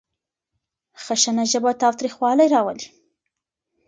خشنه ژبه تاوتريخوالی راولي.